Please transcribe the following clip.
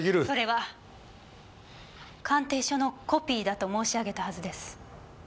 それは鑑定書のコピーだと申し上げたはずです。